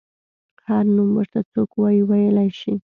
هر نوم ورته څوک وايي ویلی شي.